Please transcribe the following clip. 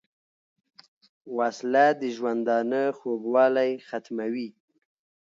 وسله د ژوندانه خوږوالی ختموي